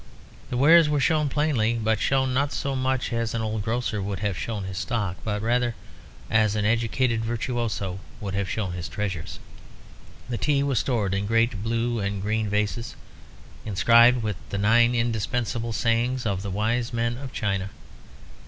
The wares were shown plainly, but shown not so much as an old grocer would have shown his stock, but rather as an educated virtuoso would have shown his treasures. The tea was stored in great blue and green vases, inscribed with the nine indispensable sayings of the wise men of China.